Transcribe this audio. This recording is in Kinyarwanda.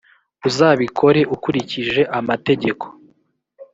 uzabikore ukurikije amategeko.